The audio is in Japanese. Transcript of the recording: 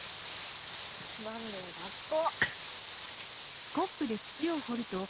つまんねえ学校！